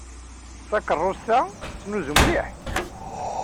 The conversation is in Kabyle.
Takeṛṛust-a tettnuzu mliḥ.